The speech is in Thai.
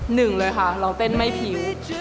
หนึ่งเลยค่ะเราเต้นไม่ผิว